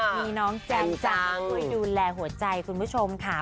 มีน้องแจงใจช่วยดูแลหัวใจคุณผู้ชมค่ะ